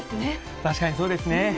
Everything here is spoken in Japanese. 確かにそうですね。